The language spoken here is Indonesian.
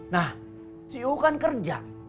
nah si u kan kerja